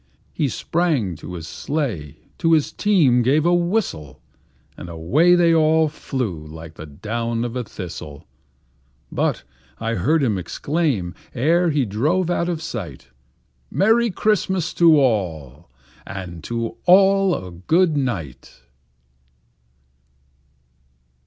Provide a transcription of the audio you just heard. He sprang to his sleigh, to his team gave a whistle, And away they all flew like the down of a thistle; But I heard him exclaim, ere he drove out of sight, "Merry Christmas to all, and to all a good night!"